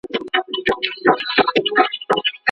خلګو د ناوي کور ته درانه سوغاتونه يووړل.